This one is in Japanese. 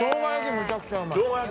めちゃくちゃうまい。